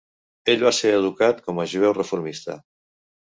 Ell va ser educat com a jueu reformista.